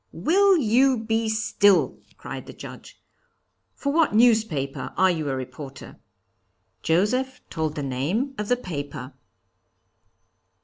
'Will you be still!' cried the Judge. For what newspaper are you a reporter?' Joseph told the name of the paper.